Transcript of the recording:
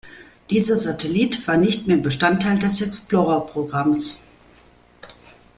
Dieser Satellit war nicht mehr Bestandteil des Explorer-Programms.